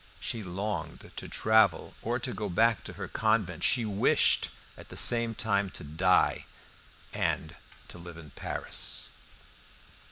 She longed to travel or to go back to her convent. She wished at the same time to die and to live in Paris.